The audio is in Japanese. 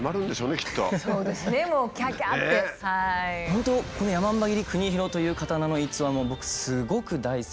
本当この山姥切国広という刀の逸話も僕すごく大好きで。